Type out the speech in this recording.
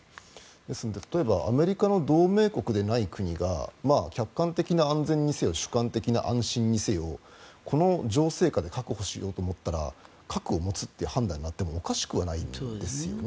ですので、例えばアメリカの同盟国でない国が客観的な安全にせよ主観的な安心にせよこの情勢下で確保しようと思ったら核を持つっていう判断になってもおかしくはないんですよね。